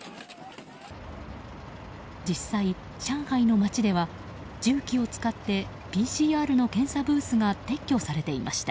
実際、上海の街では重機を使ってＰＣＲの検査ブースが撤去されていました。